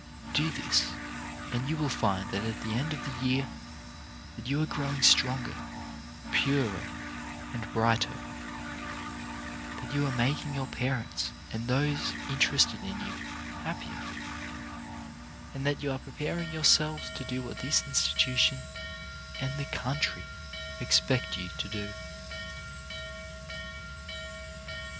Do this, and you will find at the end of the year that you are growing stronger, purer, and brighter, that you are making your parents and those interested in you happier, and that you are preparing your selves to do what this institution and the country expect you to do.